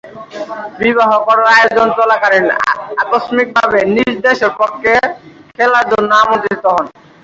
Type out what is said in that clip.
বিবাহ করার আয়োজন চলাকালীন আকস্মিকভাবে নিজ দেশের পক্ষে খেলার জন্যে আমন্ত্রিত হন।